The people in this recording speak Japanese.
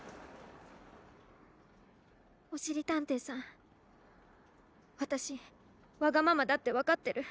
おしりたんていさんわたしわがままだってわかってる。